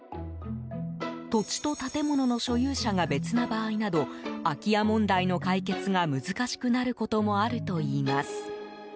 土地と建物の所有者が別な場合など空き家問題の解決が難しくなることもあるといいます。